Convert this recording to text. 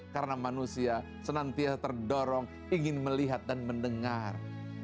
karena manusia senantiasa terdorong ingin melihat dan mendengar